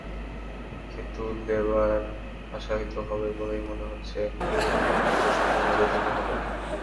কিন্তু লেবার আশাহত হবেই বলে মনে হচ্ছে, অন্তত স্বল্প মেয়াদের জন্য হলেও।